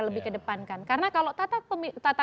lebih kedepankan karena kalau tata